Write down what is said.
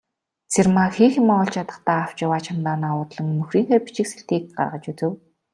Цэрмаа хийх юмаа олж ядахдаа авч яваа чемоданаа уудлан нөхрийнхөө бичиг сэлтийг гаргаж үзэв.